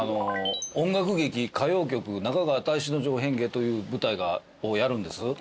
音楽劇『歌妖曲中川大志之丞変化』という舞台をやるんです。